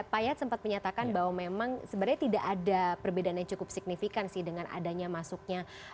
pak yat sempat menyatakan bahwa memang sebenarnya tidak ada perbedaan yang cukup signifikan sih dengan adanya masuknya